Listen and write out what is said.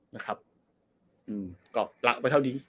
นะครับก็ละไปเท่านี้